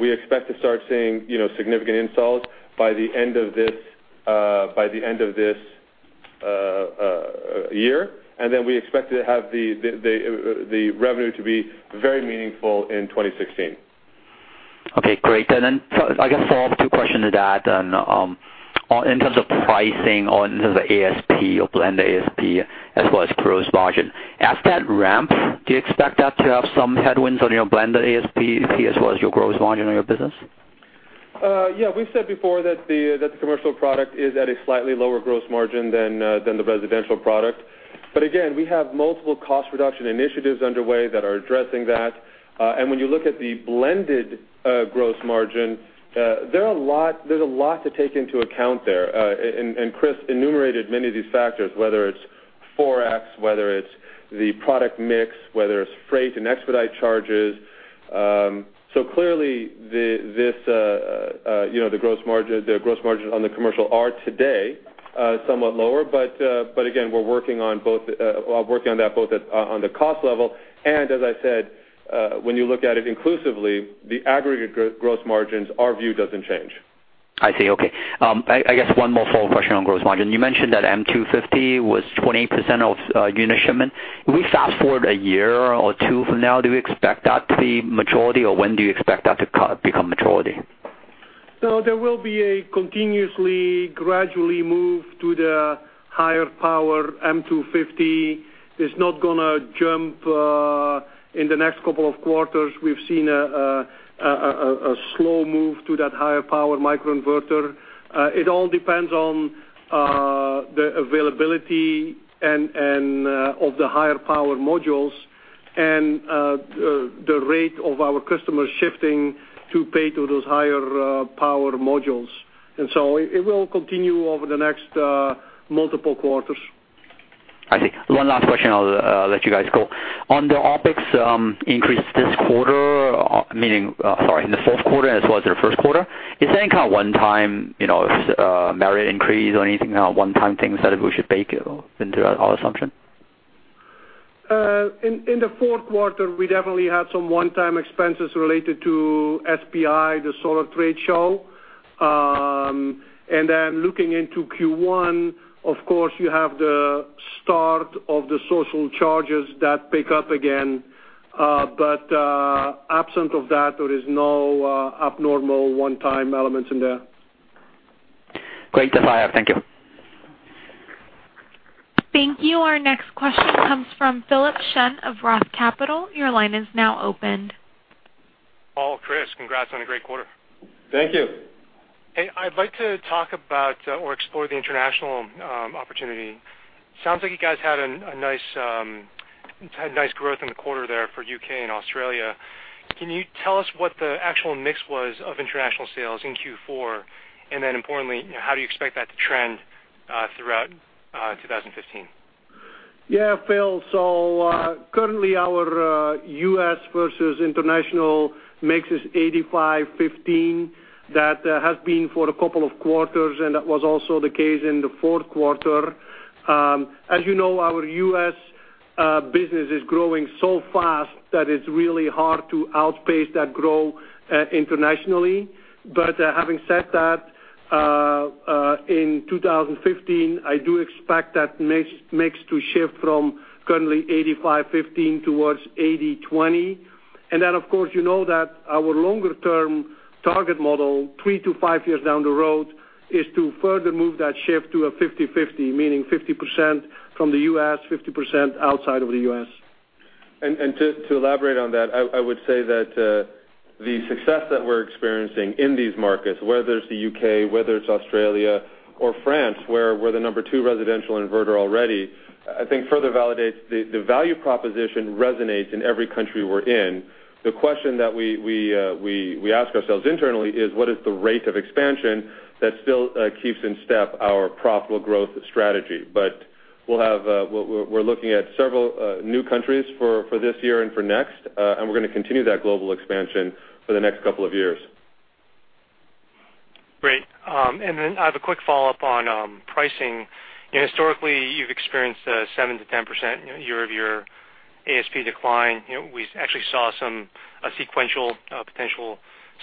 Speaker 3: We expect to start seeing significant installs by the end of this year, then we expect to have the revenue to be very meaningful in 2016.
Speaker 6: Okay, great. I guess follow-up two question to that then on in terms of pricing or in terms of ASP or blended ASP as well as gross margin. As that ramps, do you expect that to have some headwinds on your blended ASP as well as your gross margin on your business?
Speaker 3: Yeah, we've said before that the commercial product is at a slightly lower gross margin than the residential product. Again, we have multiple cost reduction initiatives underway that are addressing that. When you look at the blended gross margin, there's a lot to take into account there. Kris enumerated many of these factors, whether it's Forex, whether it's the product mix, whether it's freight and expedite charges. Clearly, the gross margin on the commercial are today somewhat lower. Again, we're working on that both on the cost level and as I said, when you look at it inclusively, the aggregate gross margins, our view doesn't change.
Speaker 6: I see. Okay. I guess one more follow-up question on gross margin. You mentioned that M250 was 28% of unit shipment. We fast-forward a year or two from now, do we expect that to be majority, or when do you expect that to become majority?
Speaker 4: There will be a continuously, gradually move to the higher power. M250 is not going to jump in the next couple of quarters. We've seen a slow move to that higher power microinverter. It all depends on the availability of the higher power modules and the rate of our customers shifting to pay to those higher power modules. And so it will continue over the next multiple quarters.
Speaker 6: I see. One last question, I'll let you guys go. On the OpEx increase this quarter, meaning Sorry, in the fourth quarter as well as the first quarter, is that any kind of one-time merit increase or anything, any one-time things that we should bake into our assumption?
Speaker 4: In the fourth quarter, we definitely had some one-time expenses related to SPI, the solar trade show. Looking into Q1, of course, you have the start of the social charges that pick up again. But absent of that, there is no abnormal one-time elements in there.
Speaker 6: Great. That's all I have. Thank you.
Speaker 1: Thank you. Our next question comes from Philip Shen of ROTH Capital. Your line is now opened.
Speaker 7: Paul, Kris, congrats on a great quarter.
Speaker 4: Thank you.
Speaker 7: Hey, I'd like to talk about or explore the international opportunity. Sounds like you guys had a nice growth in the quarter there for U.K. and Australia. Can you tell us what the actual mix was of international sales in Q4? Then importantly, how do you expect that to trend throughout 2015?
Speaker 4: Phil. Currently, our U.S. versus international mix is 85/15. That has been for a couple of quarters, and that was also the case in the fourth quarter. As you know, our U.S. business is growing so fast that it's really hard to outpace that growth internationally. But having said that, in 2015, I do expect that mix to shift from currently 85/15 towards 80/20. Then, of course, you know that our longer-term target model, three to five years down the road, is to further move that shift to a 50/50, meaning 50% from the U.S., 50% outside of the U.S.
Speaker 3: To elaborate on that, I would say that the success that we're experiencing in these markets, whether it's the U.K., whether it's Australia or France, where we're the number 2 residential inverter already, I think further validates the value proposition resonates in every country we're in. The question that we ask ourselves internally is what is the rate of expansion that still keeps in step our profitable growth strategy. We're looking at several new countries for this year and for next. And we're going to continue that global expansion for the next couple of years.
Speaker 7: Great. I have a quick follow-up on pricing. Historically, you've experienced a 7%-10% year-over-year ASP decline. We actually saw a sequential potential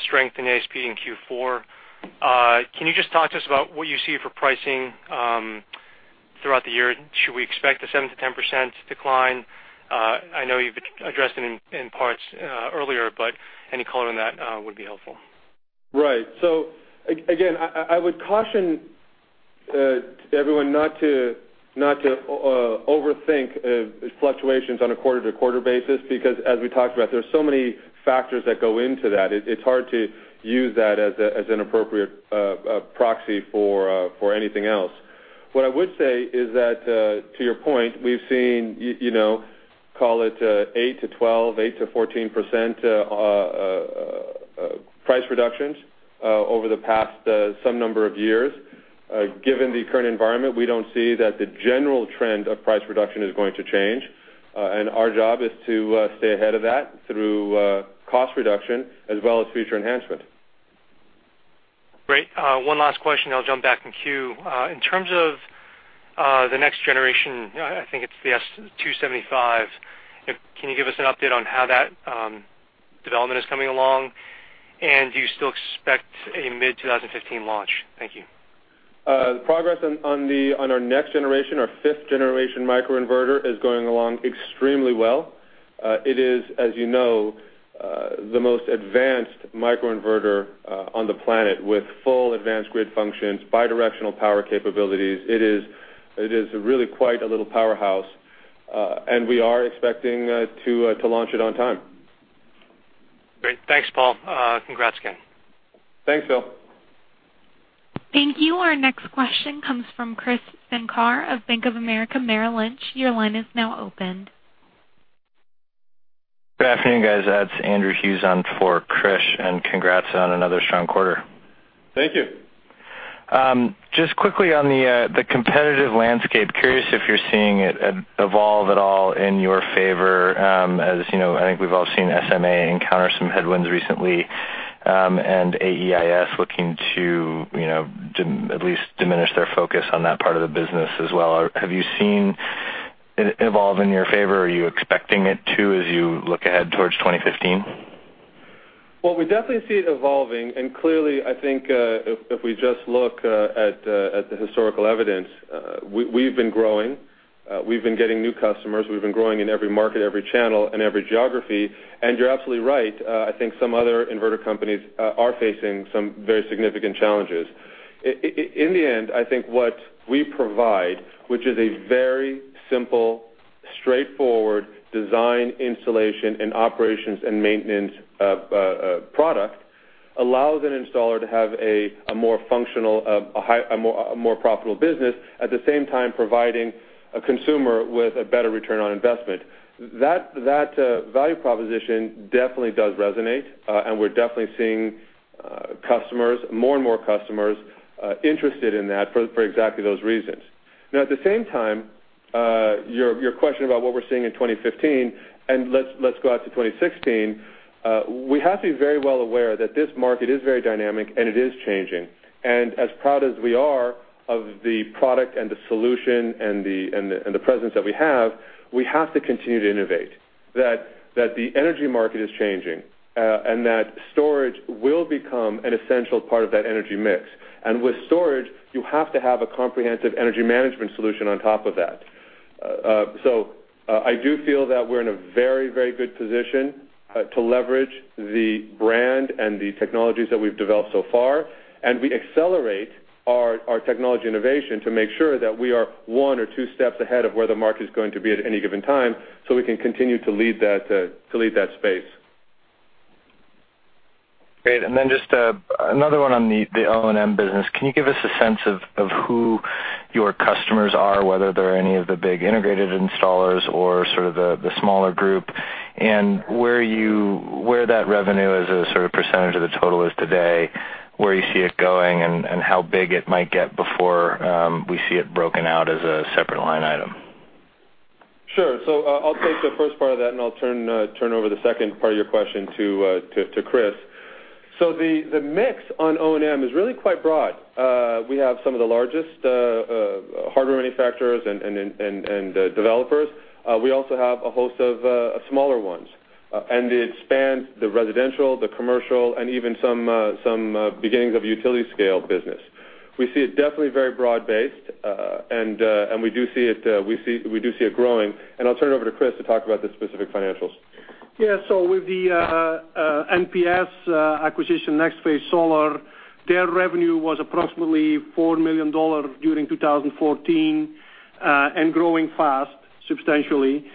Speaker 7: strength in ASP in Q4. Can you just talk to us about what you see for pricing throughout the year? Should we expect a 7%-10% decline? I know you've addressed it in parts earlier, any color on that would be helpful.
Speaker 3: Right. Again, I would caution everyone not to overthink fluctuations on a quarter-to-quarter basis, because as we talked about, there's so many factors that go into that. It's hard to use that as an appropriate proxy for anything else. What I would say is that, to your point, we've seen, call it, 8%-12%, 8%-14% price reductions over the past some number of years. Given the current environment, we don't see that the general trend of price reduction is going to change. Our job is to stay ahead of that through cost reduction as well as future enhancement.
Speaker 7: Great. One last question. I'll jump back in queue. In terms of the next generation, I think it's the S-Series, can you give us an update on how that development is coming along? Do you still expect a mid-2015 launch? Thank you.
Speaker 3: Progress on our next generation, our fifth generation microinverter, is going along extremely well. It is, as you know, the most advanced microinverter on the planet with full advanced grid functions, bidirectional power capabilities. It is really quite a little powerhouse. We are expecting to launch it on time.
Speaker 7: Great. Thanks, Paul. Congrats again.
Speaker 3: Thanks, Phil.
Speaker 1: Thank you. Our next question comes from Krish Sankar of Bank of America Merrill Lynch. Your line is now opened.
Speaker 8: Good afternoon, guys. It's Andrew Hughes on for Krish. Congrats on another strong quarter.
Speaker 4: Thank you.
Speaker 8: Just quickly on the competitive landscape, curious if you're seeing it evolve at all in your favor, as I think we've all seen SMA encounter some headwinds recently. AEIS looking to at least diminish their focus on that part of the business as well. Have you seen evolve in your favor? Are you expecting it to, as you look ahead towards 2015?
Speaker 3: Clearly, I think, if we just look at the historical evidence, we've been growing. We've been getting new customers. We've been growing in every market, every channel, and every geography. You're absolutely right, I think some other inverter companies are facing some very significant challenges. In the end, I think what we provide, which is a very simple, straightforward design, installation, and operations and maintenance product, allows an installer to have a more functional, more profitable business, at the same time providing a consumer with a better ROI. That value proposition definitely does resonate. We're definitely seeing more and more customers interested in that for exactly those reasons. At the same time, your question about what we're seeing in 2015, let's go out to 2016, we have to be very well aware that this market is very dynamic. It is changing. As proud as we are of the product and the solution and the presence that we have, we have to continue to innovate. The energy market is changing. Storage will become an essential part of that energy mix. With storage, you have to have a comprehensive energy management solution on top of that. I do feel that we're in a very good position to leverage the brand and the technologies that we've developed so far. We accelerate our technology innovation to make sure that we are one or two steps ahead of where the market's going to be at any given time, so we can continue to lead that space.
Speaker 8: Great. Just another one on the O&M business. Can you give us a sense of who your customers are, whether they're any of the big integrated installers or sort of the smaller group? Where that revenue as a sort of % of the total is today, where you see it going, and how big it might get before we see it broken out as a separate line item?
Speaker 3: Sure. I'll take the first part of that, and I'll turn over the second part of your question to Kris. The mix on O&M is really quite broad. We have some of the largest hardware manufacturers and developers. We also have a host of smaller ones. And it spans the residential, the commercial, and even some beginnings of utility scale business. We see it definitely very broad-based, and we do see it growing. And I'll turn it over to Kris to talk about the specific financials.
Speaker 4: Yeah. With the Next Phase Solar acquisition, Next Phase Solar, their revenue was approximately $4 million during 2014, and growing fast, substantially.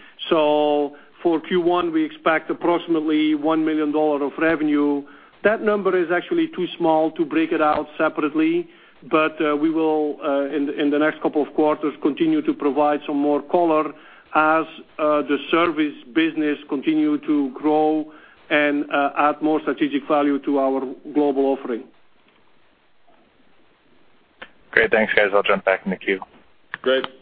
Speaker 4: For Q1, we expect approximately $1 million of revenue. That number is actually too small to break it out separately, but we will, in the next couple of quarters, continue to provide some more color as the service business continue to grow and add more strategic value to our global offering.
Speaker 8: Great. Thanks, guys. I'll jump back in the queue.
Speaker 3: Great.
Speaker 1: Thank you.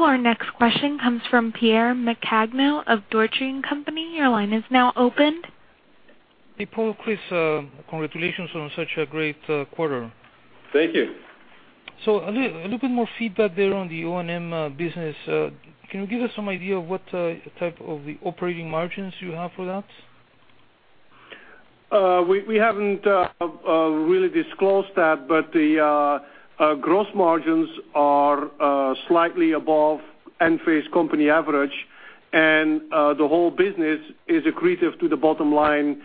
Speaker 1: Our next question comes from Pierre Maccagno of Deutsche Bank. Your line is now open.
Speaker 9: Hey, Paul and Kris, congratulations on such a great quarter.
Speaker 3: Thank you.
Speaker 9: A little bit more feedback there on the O&M business. Can you give us some idea of what type of the operating margins you have for that?
Speaker 4: We haven't really disclosed that, but the gross margins are slightly above Enphase company average, and the whole business is accretive to the bottom line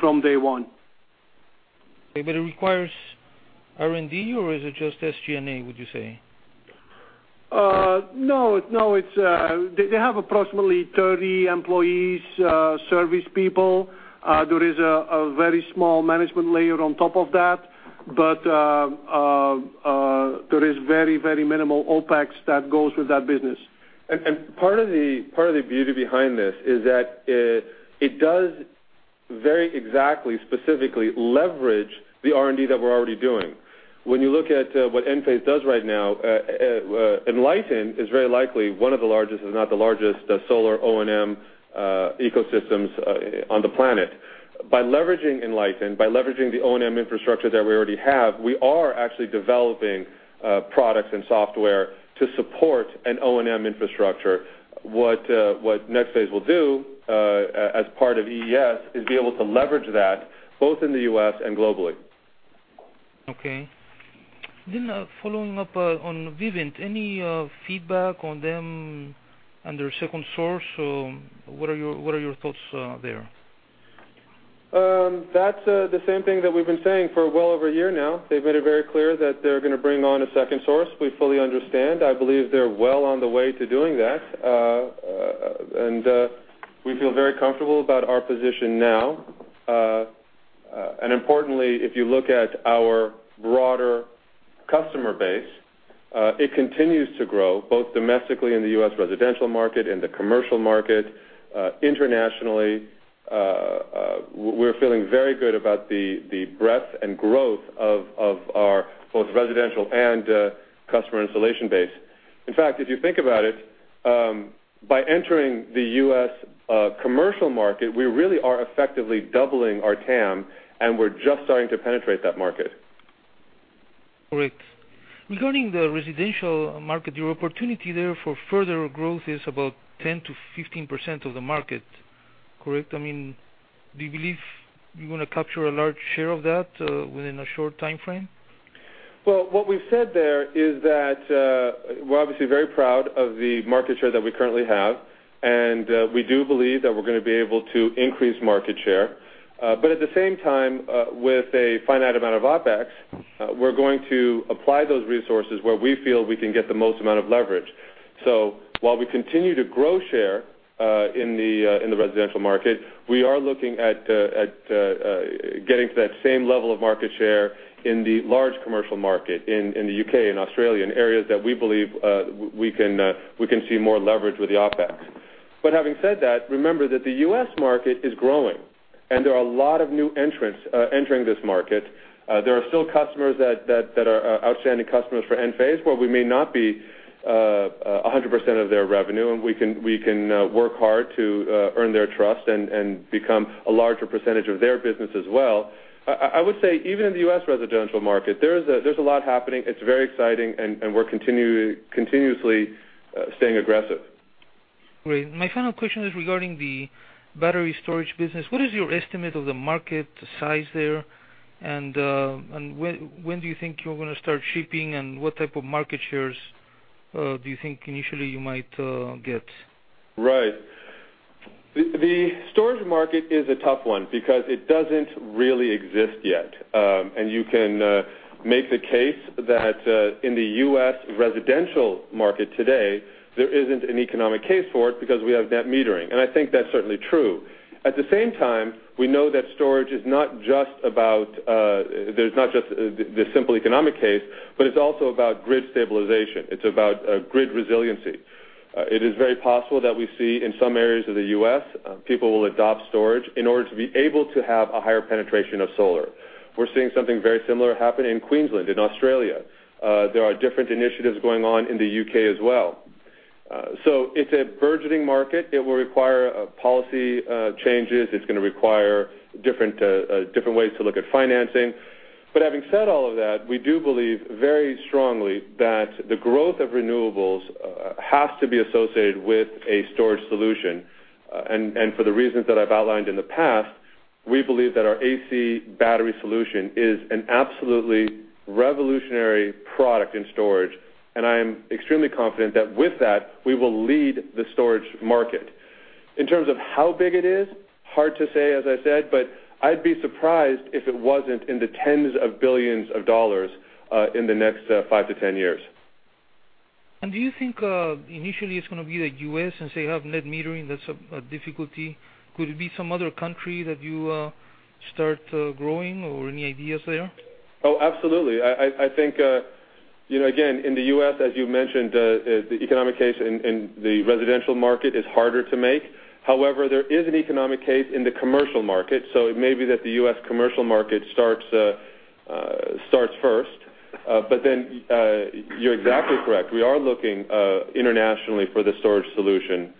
Speaker 4: from day one.
Speaker 9: Okay. It requires R&D, or is it just SG&A, would you say?
Speaker 4: No. They have approximately 30 employees, service people. There is a very small management layer on top of that, but there is very minimal OpEx that goes with that business.
Speaker 3: Part of the beauty behind this is that it does very exactly, specifically leverage the R&D that we're already doing. When you look at what Enphase does right now, Enlighten is very likely one of the largest, if not the largest, solar O&M ecosystems on the planet. By leveraging Enlighten, by leveraging the O&M infrastructure that we already have, we are actually developing products and software to support an O&M infrastructure. What NextPhase will do, as part of EES, is be able to leverage that both in the U.S. and globally.
Speaker 9: Okay. Following up on Vivint. Any feedback on them and their second source? What are your thoughts there?
Speaker 3: That's the same thing that we've been saying for well over a year now. They've made it very clear that they're going to bring on a second source. We fully understand. I believe they're well on the way to doing that. We feel very comfortable about our position now. Importantly, if you look at our broader customer base, it continues to grow both domestically in the U.S. residential market and the commercial market. Internationally, we're feeling very good about the breadth and growth of our both residential and customer installation base. In fact, if you think about it, by entering the U.S. commercial market, we really are effectively doubling our TAM, and we're just starting to penetrate that market.
Speaker 9: Great. Regarding the residential market, your opportunity there for further growth is about 10%-15% of the market, correct? Do you believe you're going to capture a large share of that within a short timeframe?
Speaker 3: Well, what we've said there is that we're obviously very proud of the market share that we currently have. We do believe that we're going to be able to increase market share. At the same time, with a finite amount of OpEx, we're going to apply those resources where we feel we can get the most amount of leverage. While we continue to grow share in the residential market, we are looking at getting to that same level of market share in the large commercial market, in the U.K. and Australia, and areas that we believe we can see more leverage with the OpEx. Having said that, remember that the U.S. market is growing, and there are a lot of new entrants entering this market. There are still customers that are outstanding customers for Enphase, but we may not be 100% of their revenue. We can work hard to earn their trust and become a larger percentage of their business as well. I would say, even in the U.S. residential market, there's a lot happening. It's very exciting. We're continuously staying aggressive.
Speaker 9: Great. My final question is regarding the battery storage business. What is your estimate of the market size there, and when do you think you're going to start shipping, and what type of market shares do you think initially you might get?
Speaker 3: Right. The storage market is a tough one because it doesn't really exist yet. You can make the case that in the U.S. residential market today, there isn't an economic case for it because we have net metering, and I think that's certainly true. At the same time, we know that storage is not just about the simple economic case, but it's also about grid stabilization. It's about grid resiliency. It is very possible that we see, in some areas of the U.S., people will adopt storage in order to be able to have a higher penetration of solar. We're seeing something very similar happen in Queensland, in Australia. There are different initiatives going on in the U.K. as well. It's a burgeoning market. It will require policy changes. It's going to require different ways to look at financing. Having said all of that, we do believe very strongly that the growth of renewables has to be associated with a storage solution. For the reasons that I've outlined in the past, we believe that our AC Battery solution is an absolutely revolutionary product in storage, and I am extremely confident that with that, we will lead the storage market. In terms of how big it is, hard to say, as I said, but I'd be surprised if it wasn't in the tens of billions of dollars in the next 5-10 years.
Speaker 9: Do you think initially it's going to be the U.S., since they have net metering, that's a difficulty. Could it be some other country that you start growing, or any ideas there?
Speaker 3: Oh, absolutely. I think, again, in the U.S., as you mentioned, the economic case in the residential market is harder to make. However, there is an economic case in the commercial market. It may be that the U.S. commercial market starts first. You're exactly correct. We are looking internationally for the storage solution.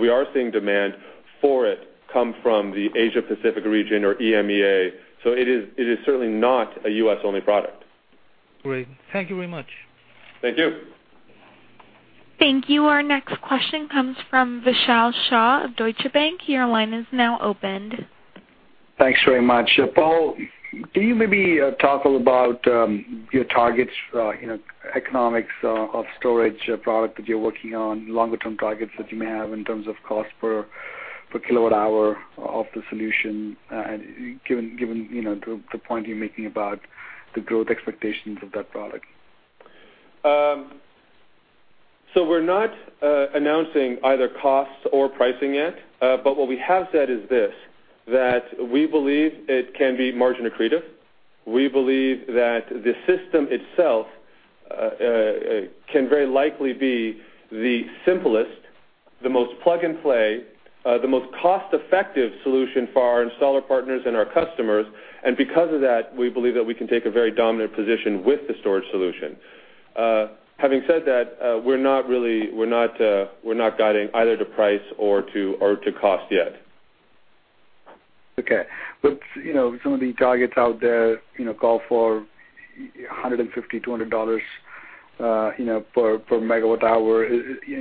Speaker 3: We are seeing demand for it come from the Asia Pacific region or EMEA. It is certainly not a U.S.-only product.
Speaker 9: Great. Thank you very much.
Speaker 3: Thank you.
Speaker 1: Thank you. Our next question comes from Vishal Shah of Deutsche Bank. Your line is now opened.
Speaker 10: Thanks very much. Paul, can you maybe talk a little about your targets, economics of storage product that you're working on, longer term targets that you may have in terms of cost per kilowatt hour of the solution, given the point you're making about the growth expectations of that product?
Speaker 3: We're not announcing either costs or pricing yet. What we have said is this, that we believe it can be margin accretive. We believe that the system itself can very likely be the simplest, the most plug-and-play, the most cost-effective solution for our installer partners and our customers. Because of that, we believe that we can take a very dominant position with the storage solution. Having said that, we're not guiding either to price or to cost yet.
Speaker 10: Okay. Some of the targets out there call for $150, $200 per megawatt hour.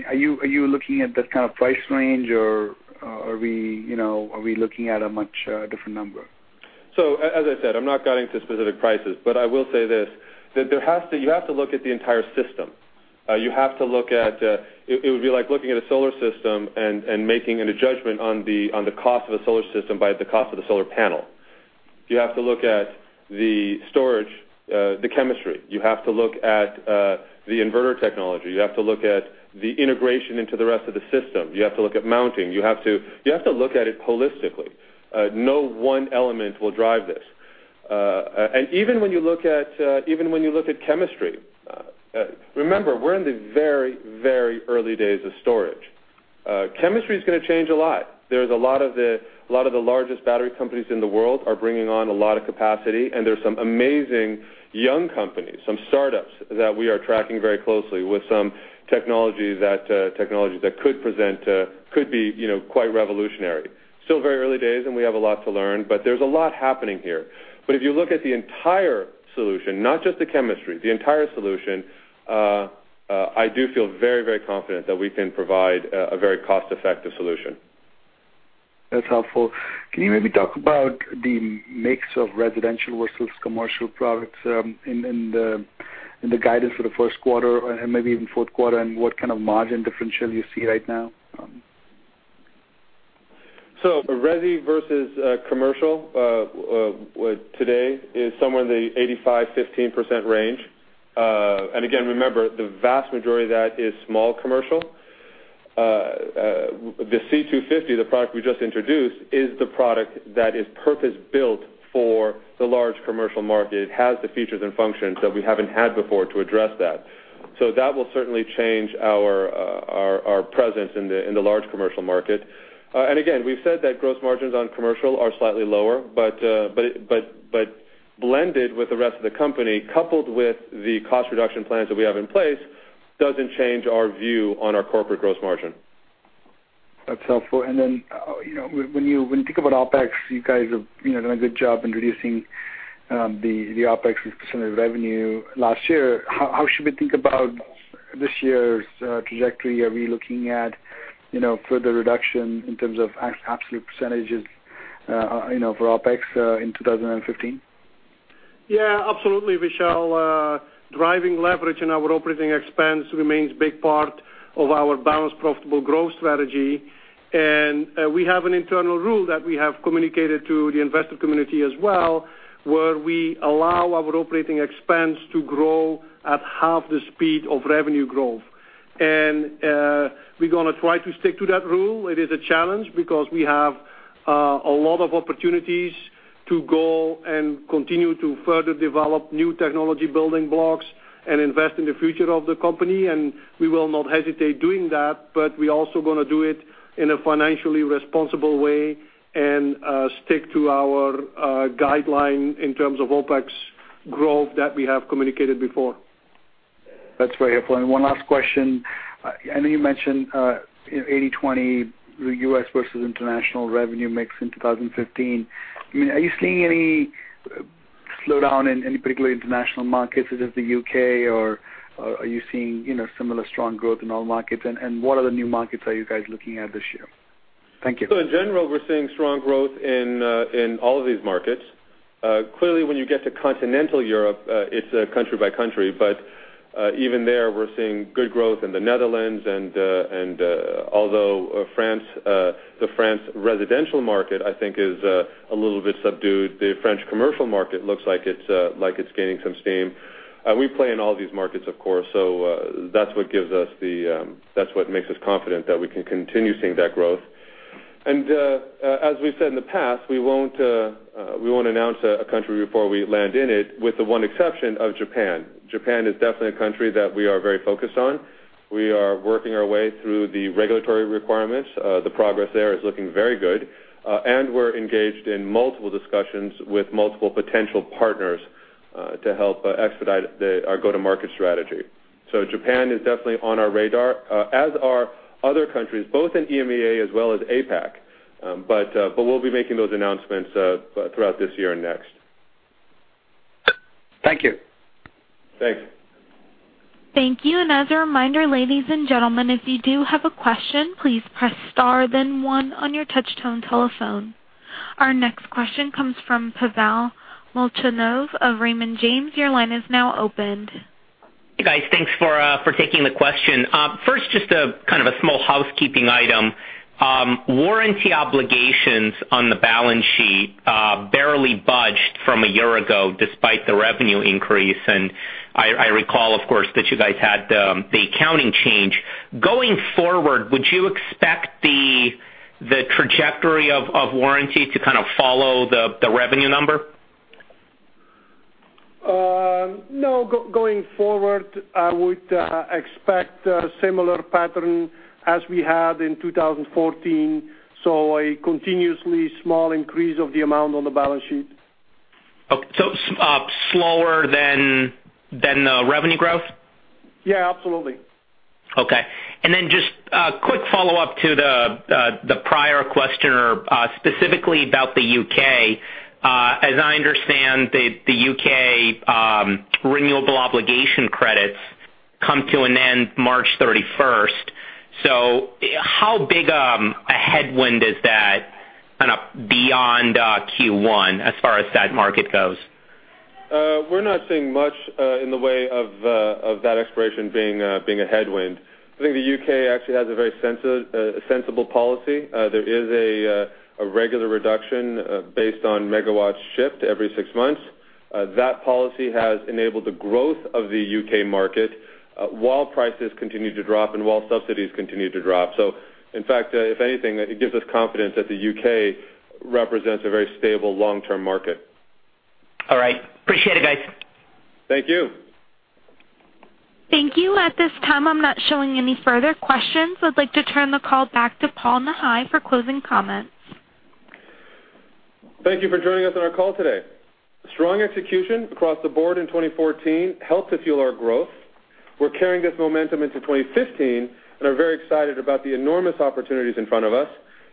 Speaker 10: Are you looking at that kind of price range, or are we looking at a much different number?
Speaker 3: As I said, I'm not guiding to specific prices, I will say this, that you have to look at the entire system. It would be like looking at a solar system and making a judgment on the cost of the solar system by the cost of the solar panel. You have to look at the storage, the chemistry. You have to look at the inverter technology. You have to look at the integration into the rest of the system. You have to look at mounting. You have to look at it holistically. No one element will drive this. Even when you look at chemistry, remember, we're in the very early days of storage. Chemistry's going to change a lot. A lot of the largest battery companies in the world are bringing on a lot of capacity, and there's some amazing young companies, some startups that we are tracking very closely with some technology that could be quite revolutionary. Still very early days, and we have a lot to learn, but there's a lot happening here. If you look at the entire solution, not just the chemistry, the entire solution, I do feel very confident that we can provide a very cost-effective solution.
Speaker 10: That's helpful. Can you maybe talk about the mix of residential versus commercial products in the guidance for the first quarter and maybe even fourth quarter, and what kind of margin differential you see right now?
Speaker 3: Resi versus commercial today is somewhere in the 85%-15% range. Again, remember, the vast majority of that is small commercial. The C250, the product we just introduced, is the product that is purpose-built for the large commercial market. It has the features and functions that we haven't had before to address that. That will certainly change our presence in the large commercial market. Again, we've said that gross margins on commercial are slightly lower, but blended with the rest of the company, coupled with the cost reduction plans that we have in place, doesn't change our view on our corporate gross margin.
Speaker 10: That's helpful. When you think about OpEx, you guys have done a good job in reducing the OpEx as a % of revenue last year. How should we think about this year's trajectory? Are we looking at further reduction in terms of absolute percentages for OpEx in 2015?
Speaker 4: Yeah, absolutely, Vishal. Driving leverage in our operating expense remains a big part of our balanced, profitable growth strategy. We have an internal rule that we have communicated to the investor community as well, where we allow our operating expense to grow at half the speed of revenue growth. We're going to try to stick to that rule. It is a challenge because we have a lot of opportunities to go and continue to further develop new technology building blocks and invest in the future of the company. We will not hesitate doing that, but we are also going to do it in a financially responsible way and stick to our guideline in terms of OpEx growth that we have communicated before.
Speaker 10: That's very helpful. One last question. I know you mentioned 80/20 U.S. versus international revenue mix in 2015. Are you seeing any slowdown in any particular international markets, such as the U.K.? Are you seeing similar strong growth in all markets? What other new markets are you guys looking at this year? Thank you.
Speaker 3: In general, we're seeing strong growth in all of these markets. Clearly, when you get to continental Europe, it's country by country. Even there, we're seeing good growth in the Netherlands. Although the France residential market, I think, is a little bit subdued, the French commercial market looks like it's gaining some steam. We play in all these markets, of course, that's what makes us confident that we can continue seeing that growth. As we've said in the past, we won't announce a country before we land in it, with the one exception of Japan. Japan is definitely a country that we are very focused on. We are working our way through the regulatory requirements. The progress there is looking very good. We're engaged in multiple discussions with multiple potential partners to help expedite our go-to-market strategy. Japan is definitely on our radar, as are other countries, both in EMEA as well as APAC. We'll be making those announcements throughout this year and next.
Speaker 10: Thank you.
Speaker 3: Thanks.
Speaker 1: Thank you. As a reminder, ladies and gentlemen, if you do have a question, please press star then one on your touch-tone telephone. Our next question comes from Pavel Molchanov of Raymond James. Your line is now opened.
Speaker 11: Hey, guys. Thanks for taking the question. First, just kind of a small housekeeping item. Warranty obligations on the balance sheet barely budged from a year ago despite the revenue increase, I recall, of course, that you guys had the accounting change. Going forward, would you expect the trajectory of warranty to kind of follow the revenue number?
Speaker 4: No. Going forward, I would expect a similar pattern as we had in 2014, a continuously small increase of the amount on the balance sheet.
Speaker 11: Okay. slower than the revenue growth?
Speaker 4: Yeah, absolutely.
Speaker 11: Okay. just a quick follow-up to the prior questioner, specifically about the U.K. As I understand, the U.K. Renewables Obligation Certificates come to an end March 31st. how big a headwind is that kind of beyond Q1 as far as that market goes?
Speaker 3: We're not seeing much in the way of that expiration being a headwind. I think the U.K. actually has a very sensible policy. There is a regular reduction based on megawatts shipped every six months. That policy has enabled the growth of the U.K. market while prices continue to drop and while subsidies continue to drop. in fact, if anything, it gives us confidence that the U.K. represents a very stable long-term market.
Speaker 11: All right. Appreciate it, guys.
Speaker 3: Thank you.
Speaker 1: Thank you. At this time, I'm not showing any further questions. I'd like to turn the call back to Paul Nahi for closing comments.
Speaker 3: Thank you for joining us on our call today. Strong execution across the board in 2014 helped to fuel our growth. We're carrying this momentum into 2015 and are very excited about the enormous opportunities in front of us,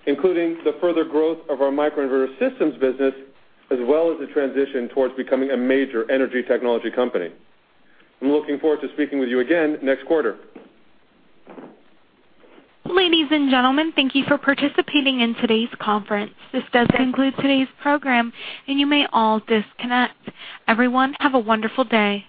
Speaker 3: including the further growth of our microinverter systems business, as well as the transition towards becoming a major energy technology company. I'm looking forward to speaking with you again next quarter.
Speaker 1: Ladies and gentlemen, thank you for participating in today's conference. This does conclude today's program, and you may all disconnect. Everyone, have a wonderful day.